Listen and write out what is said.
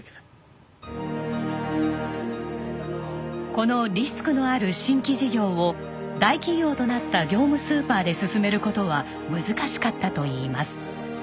このリスクのある新規事業を大企業となった業務スーパーで進める事は難しかったといいます。